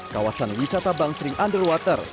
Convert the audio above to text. kawasan wisata bangsering underwater